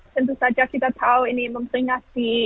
tentu saja kita tahu ini memperingati